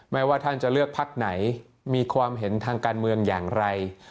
ว่าท่านจะเลือกพักไหนมีความเห็นทางการเมืองอย่างไร